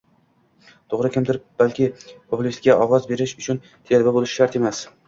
To‘g‘ri, kimdir balki populistga ovoz berish uchun telba bo‘lish shart emas